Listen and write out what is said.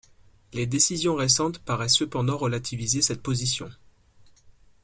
Les décisions récentes paraissent cependant relativiser cette position.